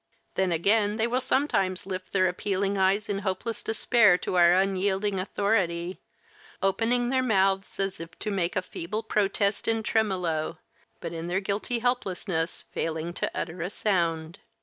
Then, again they will sometimes lift their appealing eyes in hopeless despair to our unyielding authority, opening their mouths as if to make a feeble protest in tremolo, but in their guilty helplessness, failing to utter a sound.